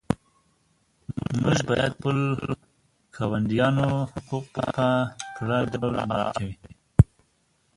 موږ باید د خپلو ګاونډیانو حقوق په پوره ډول مراعات کړو.